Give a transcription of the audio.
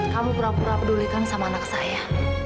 kamu berapa berapa pedulikan sama anak saya